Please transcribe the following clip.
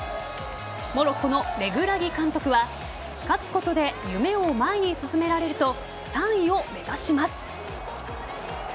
モロッコのレグラギ監督は勝つことで夢を前に進められると３位を目指します。